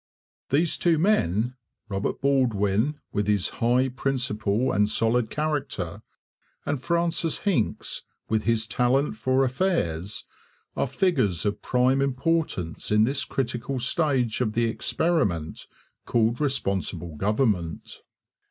These two men, Robert Baldwin, with his high principle and solid character, and Francis Hincks, with his talent for affairs, are figures of prime importance in this critical stage of the experiment called responsible government.